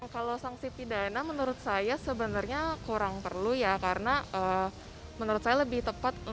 kalau sanksi pidana menurut saya sebenarnya kurang perlu ya karena menurut saya lebih tepat